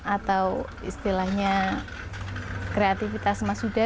atau istilahnya kreativitas mas huda